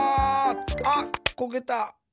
あっこけた。